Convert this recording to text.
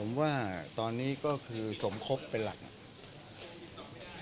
และหลังจากคืนตอนนี้จะมีความผ้ามาแล้วรึเปล่า